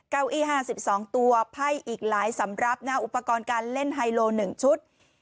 เก้าอี้๕๒ตัวไพ่อีกหลายสำรับนะอุปกรณ์การเล่นไฮโล๑ชุด